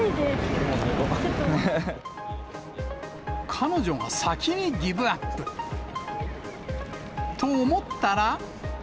彼女が先にギブアップ。と思ったら。